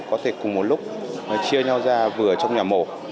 có thể cùng một lúc chia nhau ra vừa trong nhà mổ